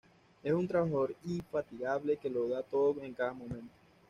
Es un trabajador infatigable que lo da todo en cada momento.